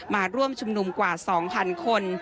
มาร่วมชุมนุมกว่า๒๐๐คน